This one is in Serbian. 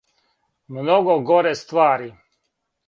Много горе ствари.